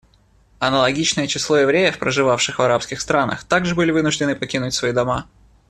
Аналогичное число евреев, проживавших в арабских странах, также были вынуждены покинуть свои дома.